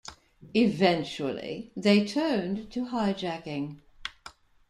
Eventually they turned to hijacking.